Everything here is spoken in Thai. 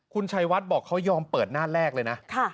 คุณชัยวัดบอกเขายอมเปิดหน้าแรกเลยนะ